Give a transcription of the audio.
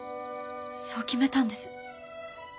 そう決めたんです。